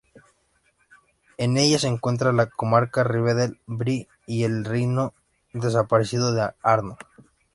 En ella se encuentran la Comarca, Rivendel, Bree y el reino desaparecido de Arnor.